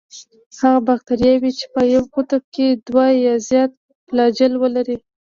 هغه باکتریاوې چې په یو قطب کې دوه یا زیات فلاجیل ولري.